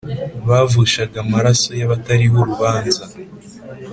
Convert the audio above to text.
Bavushaga amaraso y abatariho urubanza